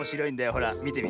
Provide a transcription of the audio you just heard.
ほらみてみ。